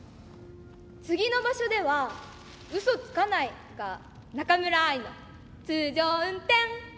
次の場所ではうそつかないが中村愛の通常運転で頑張ってみる。